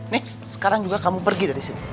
nek sekarang juga kamu pergi dari sini